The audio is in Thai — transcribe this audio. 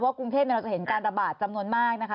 กรุงเทพเราจะเห็นการระบาดจำนวนมากนะคะ